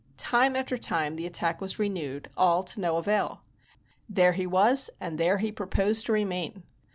Time after time the attack was renewed, all to no avail. There he was and there he proposed to remain.